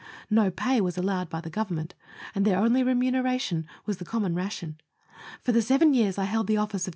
No pay was allowed by Government, and their only remuneration was the common ration. For the seven years I held the office of.